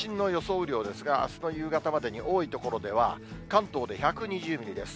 雨量ですが、あすの夕方までに多い所では、関東で１２０ミリです。